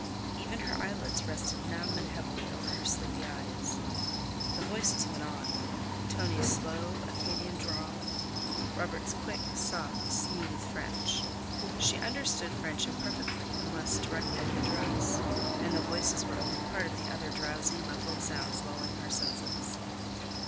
Even her eyelids rested numb and heavily over her sleepy eyes. The voices went on—Tonie's slow, Acadian drawl, Robert's quick, soft, smooth French. She understood French imperfectly unless directly addressed, and the voices were only part of the other drowsy, muffled sounds lulling her senses.